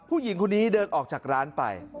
ผู้หญิงคนนี้เดินออกจากร้านไป